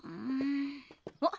おっ！